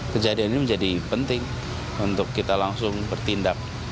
kejadian ini menjadi penting untuk kita langsung bertindak